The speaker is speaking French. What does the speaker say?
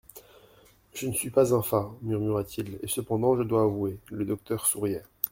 Je ne suis pas un fat, murmura-t-il, et cependant je dois avouer … Le docteur souriait.